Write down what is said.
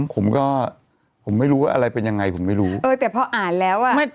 ผมก็ผมไม่รู้ว่าอะไรเป็นยังไงผมไม่รู้เออแต่พออ่านแล้วอ่ะ